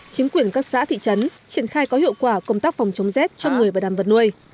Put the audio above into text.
chính quyền các xã thị trấn triển khai có hiệu quả công tác phòng chống rét cho người và đàn vật nuôi